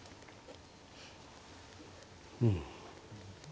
うん。